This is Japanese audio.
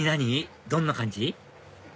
どんな感じ？